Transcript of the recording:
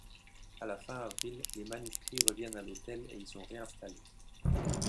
À la fin avril, les manuscrits reviennent à l'hôtel et y sont réinstallés.